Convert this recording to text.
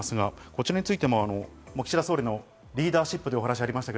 こちらについても岸田総理のリーダーシップという話しがありました。